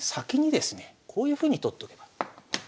こういうふうに取っとけば。